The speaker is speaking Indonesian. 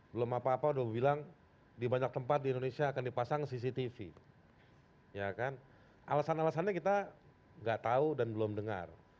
belum apa apa udah bilang di banyak tempat di indonesia akan dipasang cctv alasan alasannya kita nggak tahu dan belum dengar